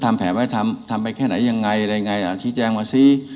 ถ้ายังไม่ทำทำไปแค่ไหนยังไงอะไรยังไงอาทิตย์แจ้งมาซิ